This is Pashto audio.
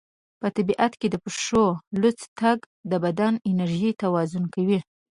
په طبیعت کې د پښو لوڅ تګ د بدن انرژي توازن کوي.